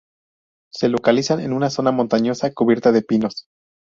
Se localizan en una zona montañosa cubierta de pinos.